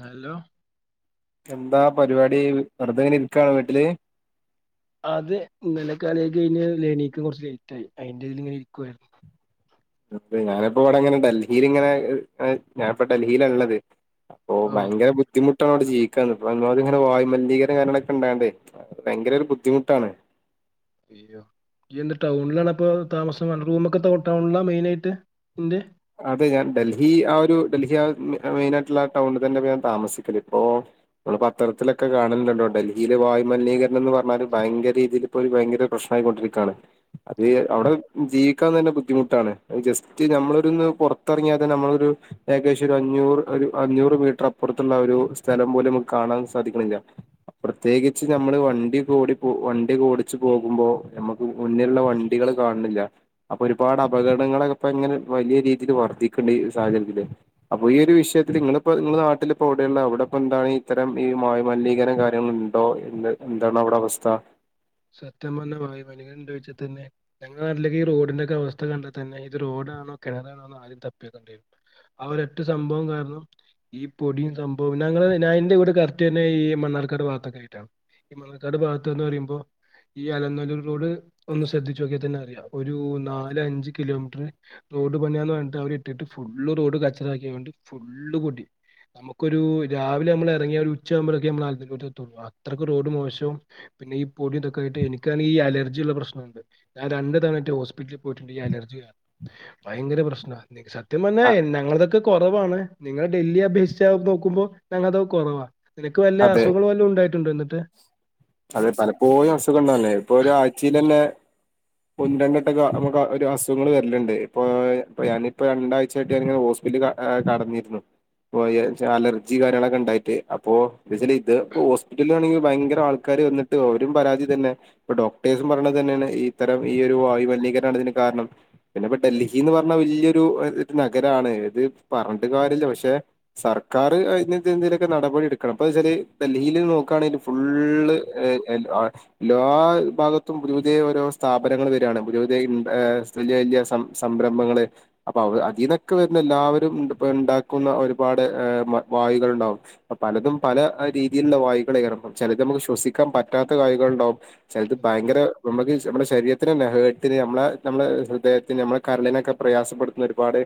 Hello എന്താ പരിപാടി വെറുതെങ്ങനെ ഇരിക്കാണ് വീട്ടില് അതെ ഇന്നെലെകളിയൊക്കെ കയിഞ്ഞ്എണീക്ക കുറച്ച് ലേറ്റ് ആയി അതിന്റെതിൽ ഇങ്ങനെ ഇരിക്കുവായിരുന്നു. അ ഞാനിപ്പോ ഇവിടെ ഇങ്ങനെ ഡൽഹിൽ ഇങ്ങനെ ഞാനിപ്പോ ഡൽഹിയിലാ ഉള്ളത് അപ്പൊ ഓ ഭയങ്കര ബുദ്ധിമു... ട്ടോട് ജീവിക്ക ഇങ്ങെ വായുമലിനീകരണം കാര്യങ്ങളൊക്കെ ഉണ്ടാണ്ടണ്ട് ഭയങ്കര ഒരു ബുദ്ധിമുട്ടാണ് അയോ ഇയ്ന്ന് ടൗണിലാ ഇപ്പൊ താമസം റൂമൊക്കെ ടൗണിലാ മെയിനാ ആയിട്ട്ന്റെ... അതെ ഞാൻ ഡൽഹി ആ ഒരു ഡൽഹി ആ മെയിൻ ആയിട്ടുള്ള ആ ടൗണിൽ തന്നെ അപോ ഞാൻ താമസികല് അപ്പോ.. നമ്മള് പത്രത്തിലൊക്കെ കാണലുണ്ടല്ലോ ഡൽഹിയില് വായുമലിനീകരണം എന്ന് പറഞ്ഞാല് ഭയങ്കരീതിൽ ഇപ്പോ ഭയങ്കര... പ്രശ്നായികൊണ്ടിരിക്കുകയാണ് അത് അവിടെ ജീവിക്കാൻ തന്നെ ബുദ്ധിമുട്ടാണ് ജസ്റ്റ് നമ്മൾ... ഇട്ന്ന് പൊറത്തറങ്ങിയാതെന്നെ നമ്മളൊരു ഏകദേശൊരു അഞ്ഞൂറ് ഒരു അഞ്ഞൂറ് മീറ്റർ അപ്പുറത്തുള്ളാ രു സ്ഥലം മ്പോലും കാണാൻ സാധിക്കണില്ല. പ്രത്യേകിച്ച് നമ്മള് വണ്ടിക്കോടി പോ വണ്ടിക്ക ഓടിച്ച് പോകുമ്പോ നമുക്ക് മുന്നിലുള്ള വണ്ടികൾ കാണിണില്ല അപ്പൊ ഒരുപാട് അപകടങ്ങള ഇപ്പങ്ങനെ വലിയ രീതിൽ വർദ്ധിക്കുണ്ട് ഈ സാഹചര്യത്തില് അപ്പൊ ഈ ഒരു വിഷയത്തില് ഇങ്ങളിപ്പോ ഇങ്ങള് നാട്ടിലിപ്പോ എവിടെയുള്ള അവിടെ പ്പൊ എന്താണീത്തരം ഈ മായുമലിനീകര കാര്യങ്ങളുണ്ടോ ല്ലേ എന്താണ് അവ്ടെ അവസ്ഥ? സത്യം പറഞ്ഞ വായു മലിനീകരണണ്ടോയ്ച്ച തന്നെ ഞങ്ങളെ നാട്ടിലൊക്കെ ഈ റോഡിൻ്റൊക്കെ അവസ്ഥ കണ്ടാ തന്നെ ഇത് റോഡ് ണോ കെണറാണോന്ന് ആദ്യം തപ്പിയോക്കേണ്ടിരും ആ ഒരൊറ്റ സംഭവം കാരണം ഈ പൊടിയും സംഭവ ഞങ്ങള്ത് ഞാ ഇൻ്റെ വീട് കറക്റ്റ് വര്ണ് ഈ മണ്ണാർക്കാട് ഭാഗത്തൊക്കെ യായിട്ടാണ് ഈ മണ്ണാർക്കാട് ഭാത്തെന്ന് പറയുമ്പോ ഈ അലനല്ലൂർ റോഡ് ഒന്ന് ശ്രദ്ധിച്ചോക്ക്യ തന്നെ അറിയാ ഒരു നാലഞ്ച് കിലോമീറ്റർ റോഡ് പണിയാന്നറിഞ്ഞിട്ട് അവരിട്ടിട്ട് ഫുള്ള് റോഡ് കച്ചറാക്കിക്കാണ്ട് ഫുള്ള് പൊടി. നമുക്കൊരൂ രാവിലെ നമ്മൾ എറങ്ങിയ ഒരു ഉച്ചാകുമ്പളൊക്കെ നമ്മളലന്നല്ലൂരെത്തൊള്ളു അത്രക്ക് റോഡ് മോശവും പിന്നെ ഈ പൊടിഇതൊക്കെയായിട്ട് എനിക്കാണീ അലർജിയുള്ള പ്രശ്നുണ്ട് ഞാ രണ്ട് തവണറ്റെ ഹോസ്പിറ്റിലിൽ പോയിട്ടുണ്ട് ഈ അലർജി കാ ഭയങ്കര പ്രശ്ന നിക് ശ സത്യം പറഞ്ഞാ അ എ ഞങ്ങളതൊക്കെ കുറവാണ് നിങ്ങള് ഡെല്ലി അപേക്ഷിച നോക്കുമ്പോ ഞങ്ങളതൊക്കെ കുറവാ നിനക്ക് വല്ല അതെ അസുഖങ്ങള് വല്ലോണ്ടായിട്ടുണ്ടോ എന്നിട്ട്? ഗളെല്ലേ ഇപ്പൊ ഒരു ആച്ചിലല്ലേ ഒന്നരണ്ടട്ടട്ടൊക്കൊ നമക്ക് ഒരു അസുങ്ങൾ വരലിണ്ട് ഇപ്പോ ഇപ്പ ഞാനിപ്പോ രണ്ടാഴ്ചായിട്ട് ഞനിങ്ങനെ ഹോസ് ൽ കടന്നിരുന്നു പ്പോഅലർജി കാര്യങ്ങളൊക്കെ ഇണ്ടായിട്ട് അപ്പോ വിസല് ഇത് ഹോസ്പിറ്റലിലാണെങ്കി ഭയങ്കര ആൾക്കാര് വന്ന്ട്ട് ഔരും പരാതി ഇതന്നെ ഇപ്പൊ ഡോക്ടേഴ്സും പറണത ങ്ങള് ഇത്തരം ഈ ഒരു വായുമലീകരണാതിന് കാരണം പിന്നെ പോ ഡൽഹി എന്ന് പറഞ്ഞ വല്ല്യരു നഗരാണ് ഇത് പറഞ്ഞിട്ട് കാര്യല്ല പക്ഷെ സർക്കാർ അയിനെന്തെങ്കിലൊക്കെ നടപടി എടുക്കണം. അന്നെച്ചാല് ഡൽഹിയിൽ നോക്കാണേല് ഫുള്ള് എ എൽ ആ ഹ് ല്ലാ ഭാഗത്തും പു പുതിയ ഓരോ സ്ഥാപനങ്ങൾ വരാണ് പുതിയ പുതിയ ഇം ഏ വല്ല്യ വല്ല്യ സം സംരംഭങ്ങള് അപ്പോ അവ് അട് ഇതൊക്കെ വരുന്ന എല്ലാവരും മ് ത്‌പ്പോ ഉണ്ടാക്കുന്ന ഒരുപാട് ഹേ മ വായ്കൾ ഉണ്ടാവും പോ പലതും പല അ രീതിയിലുള്ള വായ്കളയാരം ചെലത് നമുക്ക് ശ്വസിക്കാൻ പറ്റാത്ത വായ്കളുണ്ടാവും. ചെല്ത് ഭയങ്കര നമ്മുക്ക് ശ് നമ്മളെ ശരീ ത്തിന്ല്ലേ ഹേർട്ടിന് നമ്മളെ നമ്മളെ ഹൃദയത്തിന് നമ്മളെ കരളിനൊക്കെ പ്രയാസപ്പെടുത്തുന്ന ഒരുപാട്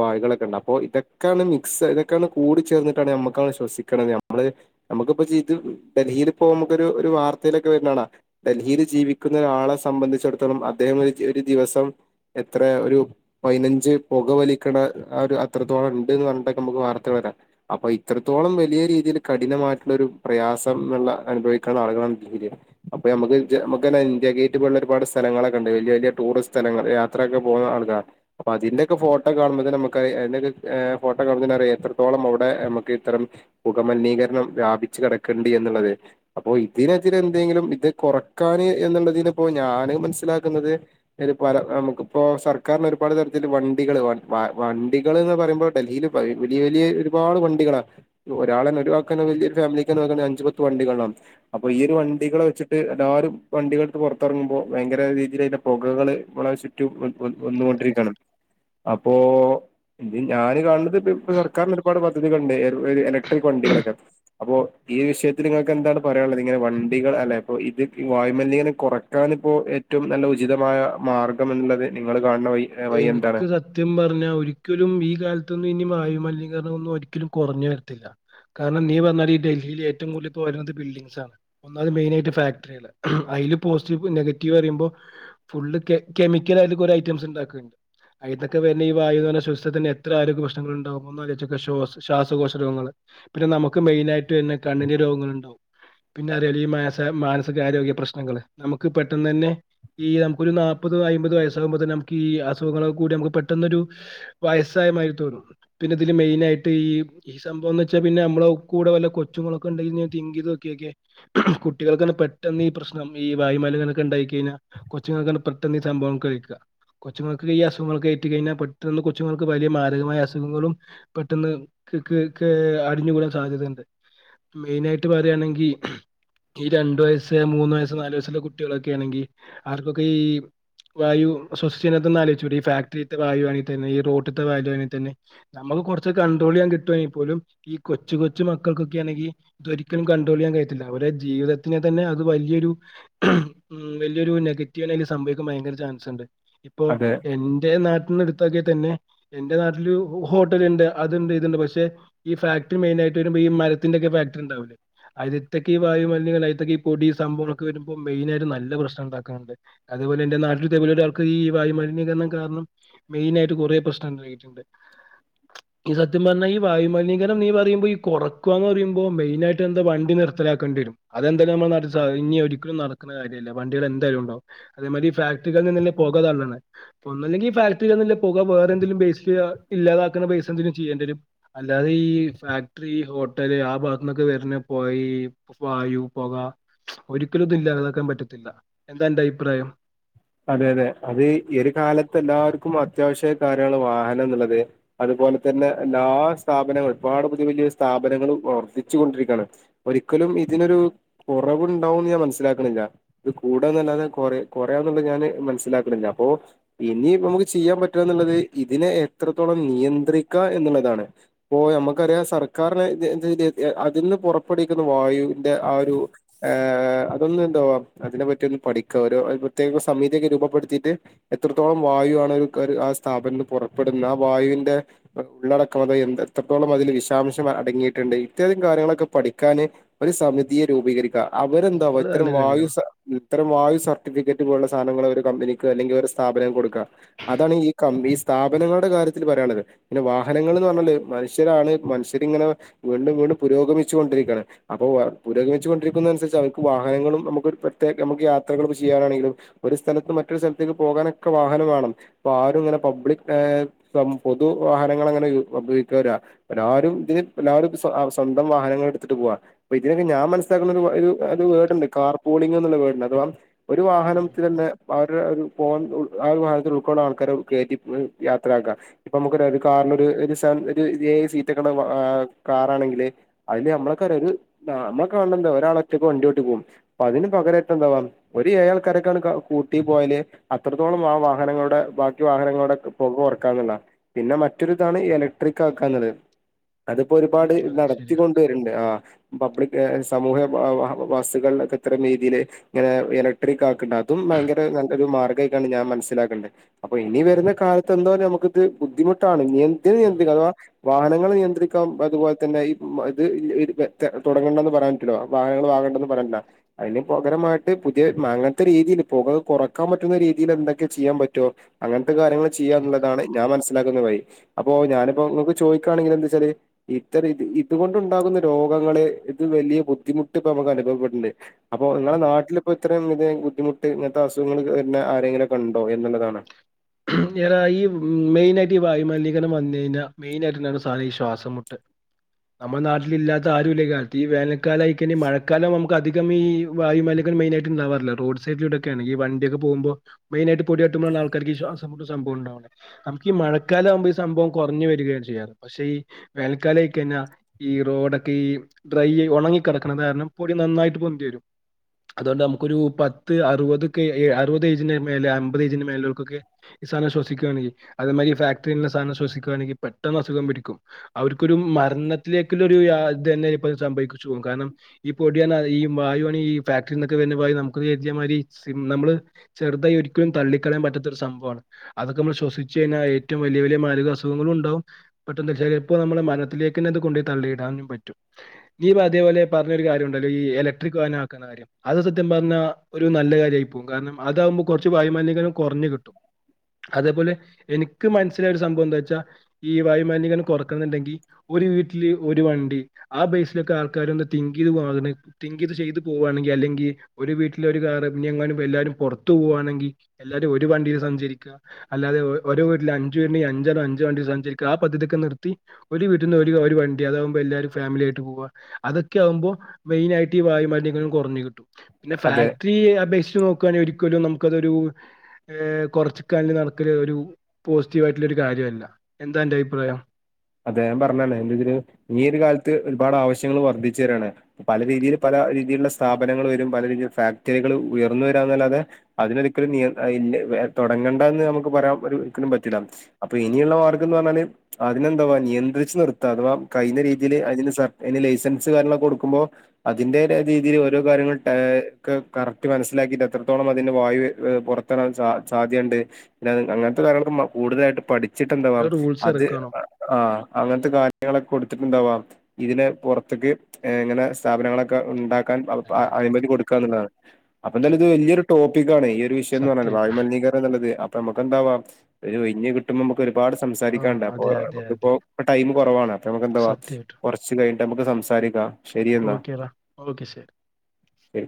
വായുകളൊ ണ്ടാപ്പോ ഇതൊക്കാണ് മിക്സ് ഇതൊക്കാണ് കൂടി ചേർന്നിട്ടാണ് നമ്മക്കാ ശ്വസിക്കണത്. നമ്മള് നമുക്കിപ്പോ ചീത് ഡൽഹിയിലിപ്പോ നമുക്കൊരു ഒരു വാർത്തയിലൊക്കെ വരുന്നാണാ ഡൽഹിയില് ജീവി ക്കുന്ന രാളെ സംബന്ധിച്ചിടത്തോളം അദ്ദേഹം ഒരു ഒരു ദിവസം എത്ര ഒരു പയിനഞ്ച് പുക വലിക്കണ ആ ഒരു അത്രത്തോളണ്ട് ന്ന് പറഞ്ഞിട്ടൊക്കെ നമുക്ക് വാർത്ത ത്ര അപ്പൊ ഇത്രത്തോളം വലിയ രീതീൽ കഠിനമായിട്ടുള്ളൊരു പ്രയാസം ന്നുള്ള അനുഭവിക്കണ ആളുകളാ ഇതി അപ്പൊ നമുക്ക് നമ്മുക്കെന്നെ അയ്ന് ഇന്ത്യ ഗേറ്റ് പോലുള്ള ഒരുപാട് സ്ഥലങ്ങളൊക്ക ഉണ്ട് വല്ല്യ വല്ല്യ ടൂറിസ്റ്റ് സ്‌തലങ്ങൾ യാത്രൊക്കെ പോക ആൾക്കാർ അപ്പൊ അതിന്റെക്കെ ഫോ ട്ടോ കാണുബോ തന്നെ നമ്മുക്ക് അ എ ഏ ഫോട്ടോ കാണുമ്പൊതന്നറിയാ എത്രത്തോളം അവ്ടെ നമുക്ക് ഇത്തരം പു കമലിനീകരണം വ്യാപിച്ച് കെട്ക്ക്ണ്ട് എന്നുള്ളത് അപ്പോ ഇതിനതിരെ എന്തെങ്കിലും ഇത് കുറക്കാന് എന്നുള്ളതിലിപ്പോ ഞാന് മനസ്സിലാക്കുന്നത് ഒരു പല നമുക്കിപ്പോ സർക്കാരിന് ഒരുപാട് തരത്തിൽ വണ്ട് ണ്ടികൾ വാ വ വണ്ടിക്ളന്ന് പറയുമ്പോ ഡൽഹിൽ പ വലിയ വലിയ ഒരുപാട് വണ്ടികളാ. ഒ രാളെന്നെ ഒഴിവാക്കാണെങ്കി വല്ല്യരു ഫാമിലിക്കന്നെ നോക്കാണെകില് അഞ്ചുപത്തു വണ്ടികളാവും അപ്പൊ ഈ ഒരുവണ്ടികള വെച്ചിട്ട് എല്ലാരും വണ്ടികൾക്ക് പൊറത്തറങ്ങുമ്പോ ഭയങ്കര രീതിലയിൻ്റെ പുകകള് മ്മളവ്ശ് റ്റു വ് വ് ഉം, അത് വന്നോണ്ടിരിക്കാണ് അപ്പോ ഇജ് ഞാന് കാണുന്നത് ഇപ്പോ പ്പോ സർക്കാരിനൊരുപാട് പദ്ധതികണ്ട് ഏതോ ഏതെ എല [unintelligible] ക്ക് വണ്ടികളൊക്കെ അപ്പോ ഈ വിഷയത്തിൽ ഇങ്ങക്ക് എന്താണ് പറയാനുള്ളത് ഇങ്ങനെ വണ്ടികൾ അല്ല ഇപ്പോ ഇത് ഈ വാ യ് മലിനീകരണ കുറക്കാനിപ്പോ ഏറ്റം നല്ല ഉചിതമായ മാർഗ്ഗം എന്നുള്ളത് നിങ്ങള് എനിക്ക് സത്യം പറഞ്ഞാ ഒരിക്കലും ഈ കാൽത്തന്നും ഇനി വായു മലിനീകരണം ഒന്നും ഒരിക്കലും കൊറഞ്ഞു വരുത്തില്ല. കാരണം നീ പറഞ്ഞാതിരി ഇ ഡൽഹിയില് ഏറ്റവു കൂടുതലിപ്പോ വരുന്നത് ബിൽഡിഗ്സാണ്. ഒന്നാത് മെയിനായിട്ട് ഫാക്ടറികള്. അ അയില് പോസിറ്റീവ് നെഗറ്റീവറിയുമ്പോ ഫുള്ള് കെ കെമിക്കല് അതില് കുറെ ഐറ്റംസ് ഉണ്ടാക്ക്ണ്ട്. അയിതെക്കെ വരുന്ന ഈ വായുനെ ശ്വസിച്ചത്തന്നെ എത്ര ആരോഗ്യ പ്രശ്നങ്ങളുണ്ടാവൊന്നാലോയ്ച്ചോക്ക ശ്വാ ശ്വാസകോശ രോഗങ്ങള്. പിന്നെ നമുക്ക് മെയിൻ ആയിട്ട്ന്നെ കണ്ണിന്റെ രോഗങ്ങൾ ഉണ്ടാവും പിന്നെ അറിയ ലീ മസ മാനസികാരോഗ്യ പ്രശ്നങ്ങൾ നമുക്ക് പെട്ടെന്ന് തന്നെ ഈ നമുക്കൊരു നാല്പ്പ ത് അയ്മ്പത് വസ്സാകുമ്പത് ന് അം ഈ അസുഖങ്ങൾ കൂടി നമുക്ക് പെട്ടെന്നൊരു വയസ്സായമായി തോറും പിന്നെ ഇതില് മെയിന ആയിട്ട് ഈ ഈ സംഭവംന്ന് വെച്ചാ പിന്നെ അമ്മള് കൂടെ വല്ല കൊച്ചുങ്ങളൊക്കെ ഉണ്ടെങ്ക തിങ്ക് ചെയ്തക്കക്കെ കുട്ടികൾക് പെട്ടെന്ന് ഈ പ്രശ്നം ഈ വായമല്ന്കര്നൊക്കെണ്ടായ് കഴിഞ്ഞാ കൊച്ചുങ്ങൾക്കെണ്ട് പെട്ടന്ന് ഈ സംഭവം കഴിക്ക കൊച്ചുങ്ങൾക്ക് ഈ അസുഖങ്ങൾ കേറ്റ് കഴിഞ്ഞാ പെട്ടന്ന് കൊച്ചുങ്ങൾക്ക് വലിയ മാരകമായ അസുഖങ്ങളും പെട്ടെന്ന് ഇക്ക് ക്കേ അടിഞ്ഞുകൂടാൻ സാധ്യതയുണ്ട്. മെയിനായിട്ട് പറയാണെങ്കി ഈ രണ്ടു വയസ്സ് മൂന്ന് വയസ്സ് നാലു വയസ്സുള്ള കുട്ടികളൊക്കെ ആണെങ്കി ആർക്കൊക്കെ ഈ വായു ശൊസിച്നെതോന്നു ആലോയ്ചൂടെ ഇ ഫാക്ടറിത്തെ വായുവാണെ തന്നെ ഈ റൊട്ടിത്തെ വായുവാണ തെന്നെ നമുക്ക് കൊറച്ച് കൺഡ്രോ ളെയ്യാ കിട്ടാണെ പോലും ഈ കൊച്ചു കൊച്ച് മക്കൾക്കൊക്കെയാണെങ്കി ഇതൊരിക്കലും കണ്ട്രോൾയ്യാൻ കയിയത്തില്ല. അവരെ ജീവിതം എത്തിനെ തന്നെ അത് വലിയൊരു ഉം വലിയൊരു നെഗറ്റീവന്നെ അയ്‌ന് സംഭവിക്കാൻ ഭയങ്കര ചാൻസ്ണ്ട് പ്പൊ അത് എന്റെ നാട്ടിന്ന് എടു ത്തോക്കെ തന്നെ എന്റെ നാട്ടില് ഹോട്ടല്ണ്ട് അതുണ്ട് ഇതുണ്ട് പക്ഷെ ഈ ഫാക്ടറി മെയിൻ ആയിട്ട് വെരുമ്പേ ഈ മരത്തിന്റെക്കെ ഫാക്ടറി ണ്ടാവ് ല്ലേ അയില്ത്തക്കെ ഈ വായു മല്നീകരണ അയ്ത്തകെ ഈ പൊടി സംഭവങ്‌ളൊക്കെ വരുമ്പോ മെയിനാ ഇത് നല്ല പ്രശ്നണ്ടാക്ക്ന്നുണ്ട് അതുപോലെ ന്റെ നാട്ടിൽ തെ പോലെ ഒരാൾ ക്ക ഈ വായുമലിനീകരണം കാരണം മെയിനായിട്ട് കുറേ പ്രശ്നം ണ്ടകിട്ടുണ്ട് ഈ സത്യം പറഞ്ഞാൽ ഈ വായുമ ലിനീകരം നീ പറയുമ്പോ ഈകൊറക്ക ന്ന് പറയുമ്പോ മെയിനായിട്ട് എന്താ വണ്ടി നിർ ത്തലാക്കണ്ട്യരും അതെന്തായാല് നമ്മളെ നാട്ടിൽ സാ ഇഞ് ഒരിക്കലും നടക്കുന്ന കാര്യല്ല. വണ്ടികൾ എന്തായാലും ഉണ്ടാവും. അതേമാരി ഈ ഫാ ക്കാ നിന്നി [unintelligible] പൊക തള്ളണ് ഒന്നുകി ഫാക്ടറി [inaudible] പുക വേറെന്തെങ്കിലും ബേസിക് ഇല്ലാതാക്കണ ബേസ്ന്തേലും ചെയ്യണം അല്ലാതെ ഈ ഫാക്ടറി ഹോട്ടല് ആ ഭാഗൊക്കെ വരണ പോകേം വാ പോക ഒരിക്കലും ഇതില്ലാതാക്കാൻ പറ്റത്തില്ല എന്താ അന്റെ അഭിപ്രായം അതെ അതെ അത് ഈ ഒരു കാലത്ത് എല്ലാവർക്കും അത്യാവശ്യ കാര്യാണ് വാഹനം എന്നുള്ളത് അത് അതുപോലെ തന്നെ എല്ലാ സ്ഥാപനങ്ങളും ഒരുപാട് പുതിയ പുതിയ സ്ഥാപനങ്ങളും വർദ്ധിച്ചു കൊണ്ടിരിക്കയാണ് ഒരിക്ക ലും ഇതിനൊരു കുറവുണ്ടാവോന്ന് ഞാൻ മനസിലാക്കണില്ല കൂട്ന്നല്ലാതെ കൊ ണ്ട് ഞന് മനസ്സിലാകാണില്ല അപ്പോ ഇനി നമുക്ക് ചെയ്യാൻ പറ്റുക എന്നുള്ളത് ഇതിനെ എത്രത്തോളം നിയ നിയനന്ത്രിക്ക എന്നുള്ളതാണ് അപ്പോ നമുക്കറിയാം സർക്കാരിന് അതിന്ന് പുറപ്പെടുവിക്കുന്ന വായുന്റെ ആ ഒരു അതൊന്നും എന്തവാ അതിനെ പറ്റി ഒന്ന് പഠിക്ക ഓരോ പ്രത്യേക സമിതിയൊക്കെ രൂപപ്പെടുത്തിയിട്ട് എത്രത്തോളം വായു ആണ് ഒരു ആ സ്ഥാപനത്തി പുറപ്പെട്ന്ന ആ വായു ഉള്ളടക്കം അത് എന്ത് എത്രത്തോളം അതില് വിഷാംശം അടങ്ങിയിട്ടുണ്ട് ഇത്തരം കാര്യങ്ങളൊക്കെ പഠിക്കാൻ സമിതിയെ രൂപീകരിക്ക ഉം അവരെന്തവാ അത് ഇത്തരം നല്ല വായൂ കാര്യാണ്. ഇത്തരം വായു സർട്ടിഫിക്കറ്റ് ള്ള സാധനങ്ങള് ഒരു കമ്പനിക്ക് അല്ലെങ്കി ഒരു സ്ഥാപനം കൊടുക്ക അതാണ് ഈ കം സ്ഥാപനങ്ങളുടെ കാര്യത്തിൽ പറയാനുള്ളത് പിന്നെ വാഹനങ്ങൾന്ന് പറഞ്ഞാല് മനുഷ്യരാണ് മനുഷ്യരിങ്ങനെ വീണ്ടും വീ പുരോഗമിച്ചോണ്ടിരിക്കാണ് അപ്പോ പുരോഗമിച്ച് കൊണ്ടിരിക്കുന്നതിനനസരിച്ച് നമക്ക് വാഹനങ്ങളും നമുക്കീ യാത്രകള് ചെയ്യാനാണെങ്കിലും ഒരു സ്ഥലത്തും മറ്റൊരു സ്ഥലത്തേക്ക് പോകാനൊക്കെ വാഹനം വേണം അപ്പൊ ആരും ഇങ്ങനെ പബ്ലിക് ഏഹ് സംഭ വാഹനങ്ങള് അങ്ങനെ ഉപയോഗിക്കരാ എല്ലാവരും ഇതി എല്ലാവരും സ്വന്തം വാഹനങ്ങൾ എടുത്തിട്ട് പോവാൻ അപ്പൊ ഇതിനൊക്കെ ഞാൻ മനസ്സാക്കുന്നൊരു അത് അതെ. വേടുണ്ട് കാർ പോളിംഗ് എന്നുള്ള വേടുണ്ട് അഥവാ ഒരു ഉം വാഹനത്തിതന്നെ അവിടെ ഫോൺ പോൺ ആഹ് വാഹനത്തിൽ ഉൾക്കൊള്ളുന്ന ആൾക്കാര കേറ്റി യാത്ര ആക്കാം ഇപ്പൊ നമുക്കൊരു ഒരു കാറിന് ഒര് ഒരു സീറ്റൊക്കെ കാറാണെങ്കില് അയില് നമ്മളക്കറിയാം ഒരു നമ്മൾ കാണതെന്താ ഒരാള ട്ട് വണ്ടി ഓട്ടിക്കും അപ്പ അതിന് പകരായിട്ട് എന്തുവാ ഒരയേൾക്കാര ങ്ങട് കൂട്ടി പോയാല് അത്രത്തോളം ആഹ് വാഹനങ്ങളുടെ ബാക്കി വാഹനങ്ങളുടെ പുക കൊറക്കാന്നുള്ള പിന്നെ മറ്റൊരിതാണ് എലക്ട്രിക് ആക്കഞ്ഞത് ഉം അത്പ്പൊരുപാട് ഉം അതെ നടത്തി ശരിയാ. കൊണ്ടുവര്ണ്ട് ആഹ് പബ്ലിക് സമൂഹം ബസ്സുകൾ ക്കെത്ര രീതീല് ഇങ്ങനെ എലക്ട്രിക് ആ ണ്ട് അതും ഭയങ്കര നല്ലൊരു മാർ ഗായിട്ടാണ് ഞാൻ മനസ്സിലാക്ക്ണത് അപ്പൊ ഇനി വരുന്ന കാലത്ത് എന്താ നമുക്കിത് ബുദ്ധിമുട്ടാണ് നിയന്ത് ഉം നിയന്ത്രിക അഥവാ വാഹനങ്ങള് നിയന്ത്രിക്കാം അതുപോലെ തന്നെ ഇ [unintelligible] തൊടങ്ങ്ണംന്ന് പറയൻ റ്റുല്ലാ വാഹനങ്ങള് വാങ്ങേണ്ടന്ന് പറയൻ പറ്റ് ല അതിന് പകരമായിട്ട് പുതിയ മാങ്ങ രീതീല് പൊക കൊറക്കാൻ പറ്റുന്ന രീതീല് എന്തൊക്കെ ചെയ്യാൻ പറ്റോ അങ്ങനെ കാര്യങ്ങൾ ഉം അതെ ചെയ്യാന്ന്ള്ളതാണ് അതെ. ഞാൻ മനസ്സിലാക്കുന്ന വഴി അപ്പോ ഉം ഞാനിപ്പോക്ക് ഇങ്ങക്ക് ചോദ ക്കാണെങ്കി എന്ത് വെച്ചാല് ഇത്തത് ഇത് ഇതുകൊണ്ട് ഉണ്ടാകുന്ന രോഗങ്ങളെ ഇത് വല്യ ബുദ്ധിമുട്ട് പക അനുഭുണ്ട് അപ്പോ നിങ്ങടെ ഉം. നാട്ടില് ഇപ്പോ ഇത്രയും ഇ [unintelligible] ബുദ്ധിമുട്ട് ഇങ്ങൻത്തെ അസുഖങ്ങൾ വര്ന്നെ ആരെങ്കിലൊക്കെ ഇണ്ടോ എന്നുള്ളതാണ് യാ ഈ മെയിനായിട്ട് ഈ വായുമലിനീകരണം വന്നു കഴിഞ്ഞാ മെയിനായിട്ടാണ് സാന ഈ ശ്വാസംമുട്ട് നമ്മുടെ നാട്ടിലില്ലാത്ത ആരുല്ല ഈ കാലത്ത് ഈ വേനൽക്കാലം ആയിക്കഴിഞ്ഞാ മഴക്കാലം നമു അധികം ഈ വായു മലിക മെയി ഹാ യിട്ട് ഇണ്ടാവാറില്ല റോഡ് സൈഡിലിടക്കേണ് ഈ വണ്ട്യെക്കെ പോകുമ്പോ മെയിനായിട്ട് പൊടി സത്ത്യം പറ്ഞ്ഞാ ആൾക്കാര്ക്ക് ഈ ശ്വാസ് സംഭവൊ ഇണ്ടാവ നമുക്ക് ഈ മഴക്കാലം ആവ്മ്പോ ഈ സംഭവം കൊറഞ്ഞു വരികയാണ് ചെയ്യറ് പക്ഷേ ഈ വേനൽക്കാല കഴിഞ്ഞ ഈ റോഡൊക്കെ ഈ ഡ്രൈ ഒണങ്ങി കെടക്ക്ണ കാരണം പൊടി നന്നായിട്ട് പൊന്തി വെരും അതുകൊണ്ട് നമുക്കൊരു പത്ത് അറുപതൊക്കെ അറുപത് ഏയ്ജിന്റെ മേലെ അമ്പത് ഏയ്ജിന്റെ മേല് [unintelligible] ക്കൊക്കെ സാനം ശ്വസിക്കാണെങ്കി അതേമാതിരി ഫാക്ടറില്ള്ള സാനം ശ്വസിക്കാണെങ്കി പെട്ടന്ന് അസുഖം പിടിക്കും അവർക്കൊരു അവർക്കൊരു മരണത്തിലേക്ക്‌ല്ല ഒരു യാ ഇത് തന്നെ ഇപ്പത് സംഭവിച്ചു പോകും കാര്ണം ഈ പൊടി അറ്ഞ്ഞാ ഈ വായു [unintelligible] ഈ ഫാക്ടറിന്നൊക്കെ വരുന്ന മായ്രി നമുക്ക്തി ഇജേമാതി നമ്മള് ചെറുതായി ഒരിക്കലും തള്ളിക്കളയാൻ പാറ്റാത്തൊരു സം അതൊക്കെ നമ്മള് ശ്വസിച്ച് കഴിഞ്ഞാ ഏറ്റവും വലിയ വലിയ മാരഖ അസുഖങ്ങളും ഉണ്ടാവും പെട്ടെന്ന് [unintelligible] ചെലപ്പ നമ്മളെ മര ത്തിലേക്കെന്നെ ഇത് കൊണ്ടയ് തള്ളിയിടാനും പറ്റും നീ അതേപോലെ പറഞ്ഞൊരു കാര്യം ഇണ്ടല്ലോ ഈ എലക്ട്രിക് വാനാക്കാ അത് സത്യം പറ്ഞ്ഞ ഒരു നല്ല കാര്യായി പോകും കാര്ണം അതാകുമ്പോ കൊറച്ച് വായു മലിനീകരണം കൊറഞ്ഞ് കിട്ടും അതേപോലെ എനിക്ക് മനസ്സിലായ ഒരു സംഭവം എന്താച്ചാ ഈ വായുമലിനീകരണം കൊറക്കാന്ന്ണ്ടെങ്കി ഒരു വീട്ടില് ഒരു വണ്ടി ആ ബൈസിലൊക്കെ ആൾക്കാരൊന്ന് തിങ്ക് ചെയ്ത് വാങ്ങ്ണേ തിങ്ക് ചെയ്ത് ചെയ്തു പോവ്വാണ് ങ്കി അല്ലെങ്കി ഒരു വീട്ടില് ഒരു കാറ്നിഎങ്ങാനും എല്ലാരും പുറത്ത് പോകവാണെങ്കി എല്ലാരും ഒരു വണ്ടിയിൽ സഞ്ചരി അല്ലാതെ ഓരൊ ഓരോ വീട്ടില അഞ്ച് പേര്ണ്ടങ്കി അഞ്ചാലോ അഞ്ചച് വണ്ടി സഞ്ചരിക്ക ആ പദ്ധതിക്കെ നിർത്തി ഒരു വീട്ട്ന്ന് ഒരു ഒരു ഒരു വണ്ടി അതാവുമ്പോ എല്ലാരും ഫാമിലി ആയിട്ട് പോവുക അതൊക്കെ ആവുമ്പോ മെയിനായിയിട്ട് ഈ വായുമലിനീകരണവും കൊർഞ്ഞ് കിട്ടും പിന്നെ അതെ ഫാക്ടറി അപേക്ഷിച്ച് നോക്കാണെൽ ഒരിക്കലും നമുക്കൊരൂ കൊർച്ച് ക്കാണ്ട് നടക്കല് ഒരു പോസിറ്റീവായിട്ടുള്ള ഒരു കാര്യല്ല എന്താ അന്റെ അഭിപ്രായം അതേ ഞാൻ പറഞ്ഞല്ലെ എന്താ ഇതില് ഈ ഒരു കാൽത്ത് ഒരുപാട് ആവശ്യങ്ങള് വർദ്ധിച്ചു വരാണ് പല അതെ രീതിയിൽ പല രീതിയിലുള്ള സ് സ്ഥാപനങ്ങള് വരും പല രീതിയിലുള്ള ഫാക്ടറികള് ഉയർന്നു വരാന്നല്ലാതെ അതിനൊരിക്കലും നിയ അയില്ല തൊട ങ്ങണ്ടാന്ന് നമുക്ക് പറയാൻ ഒര് ഒരിക്കലും പറ്റില്ലാന്നു അപ്പൊ ഇനിയുള്ള മാർഗം എന്ന് പറഞ്ഞാല് അത്‌ പിന്നെന്താ വാണ്ടി എന്താച്ചാ നിർത്താ അഥവാ കഴിഞ്ഞ രീതില് അതെ അതിന് സർ ഇനി ലൈസൻസ് കാര്യങ്ങളൊക്കെ കൊടുക്കുമ്പോ അതിന്റെതായ രീതിയില് ഓരോ കാര്യങ്ങള് ടാ ഏ കറക്റ്റ് മനസ്സിലാ ലാക്കീട്ട് എത്രത്തോളം അതിന്റെ വായുവെ പൊറത്താവാൻ സാധ്യതയുണ്ട് പിന്നെ അത്‌ അങ്ങൻത്തെ കാര്യങ്ങളൾക്കൊക്കെ കൂടുതലായിട്ടും പഠി ഓരോ ച്ചിട്ടെന്താവാം റൂൾസ് അത് ഇറക്കണം ആഹ് അങ്ങൻത്തെ കാര്യങ്ങളൊക്കെ കൊടുത്തിട്ടുണ്ടാവാം ഇതിന് പുറത്ത്ക്ക് ഏ ഇങ്ങനെ സ്ഥാപനങ്ങളൊക്കെ ഉണ്ടാക്കാൻ പ അതെ അതെ അനുമതി കൊടുക്കാ എന്നുള്ളതാണ് അപ്പൊ എന്തായാലും ഇത് അതെ വല്ല്യൊരു ടോപ്പിക്കാണ് ഈ ഒരു വിഷയംന്ന് പർഞ്ഞാല് വായു സത്യായിട്ടും മലിനീകരണം നല്ലത് അപ്പൊ നമുക്കെന്താവാം ഒരു ഒയ്ഞ്ഞ് കിട്ടുമ്മോ നമുക്ക് ഒരുപാട് ആഹ് സംസാരിക്കാണ്ടണ്ട് അപ്പൊ അതെ അതെ ഇത് പ്പോ അതെ ടൈമ് കൊറവാണ് അപ്പൊ നമുക്ക് എന്താവാ കൊർച്ച് കഴിഞ്ഞിട്ട് നമുക്ക് സംസാരിക്കാ ഓക്കോടാ ഓക്കെ ശരി ശരി